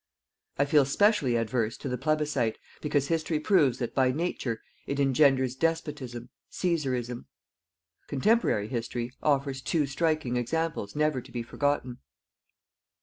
I feel specially adverse to the plebiscit, because History proves that, by nature, it engenders DESPOTISM, CÆSARISM. Contemporary history offers two striking examples never to be forgotten.